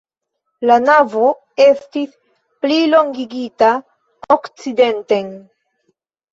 La navo estis plilongigita okcidenten.